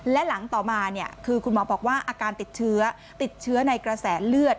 และหลังต่อมาคือคุณหมอบอกว่าอาการติดเชื้อติดเชื้อในกระแสเลือด